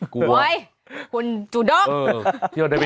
กลัว